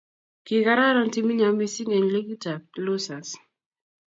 Kikararan timinyo missing eng ligitab Losers